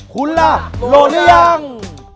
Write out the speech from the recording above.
คุณล่ะโหลดหรือยัง